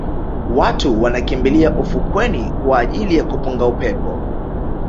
Watu wanakimbilia ufukweni kwa ajili ya kupunga upepo